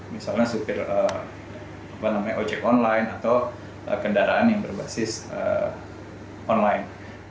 misalnya supir ojek online atau kendaraan yang berbasis online